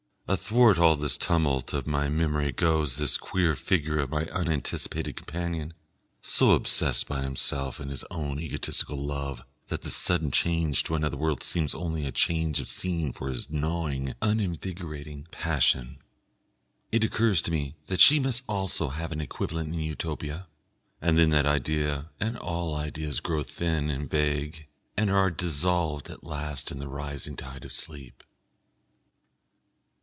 Athwart all this tumult of my memory goes this queer figure of my unanticipated companion, so obsessed by himself and his own egotistical love that this sudden change to another world seems only a change of scene for his gnawing, uninvigorating passion. It occurs to me that she also must have an equivalent in Utopia, and then that idea and all ideas grow thin and vague, and are dissolved at last in the rising tide of sleep....